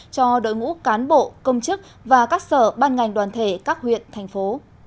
cho đội ngũ cán bộ công chức và các sở ban ngành đoàn thể các huyện thành phố